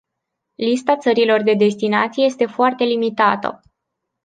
Lista țărilor de destinație este foarte limitată.